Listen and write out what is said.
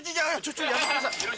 ちょっとやめてください。